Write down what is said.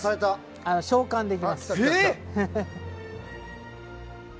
召喚できます。